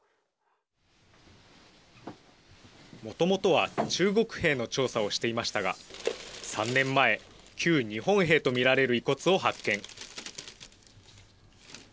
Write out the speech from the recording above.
もともとは中国兵の調査をしていましたが３年前、旧日本兵と見られる遺骨を発見。